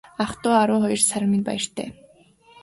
Ах дүү арван хоёр сар минь баяртай.